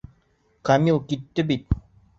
Камил китте бит.